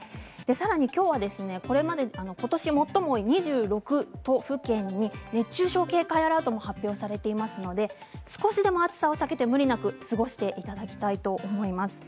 さらにきょうは、ことし最も多い２６都府県に熱中症警戒アラートも発表されていますので少しでも暑さを避けて無理なく過ごしていただきたいと思います。